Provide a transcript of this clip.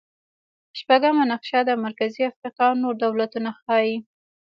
شپږمه نقشه د مرکزي افریقا نور دولتونه ښيي.